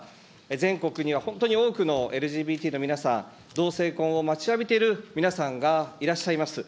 全国には本当に多くのＬＧＢＴの皆さん、同性婚を待ちわびている皆さんがいらっしゃいます。